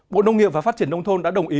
bộ nông nghiệp và phát triển nông thôn đã đồng ý